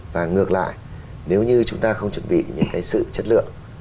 và ngược lại nếu như chúng ta không chuẩn bị những cái sự chất lượng